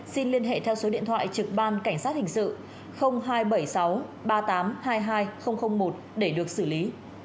xin liên hệ theo số điện thoại trực ban cảnh sát hình sự hai trăm bảy mươi sáu ba mươi tám hai mươi hai một để được xử lý